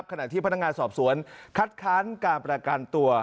ขณะที่พนักงานสอบสวนคัดค้านการประกันตัว